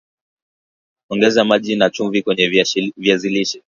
ongeza maji na chumvi kwenye viazi lishe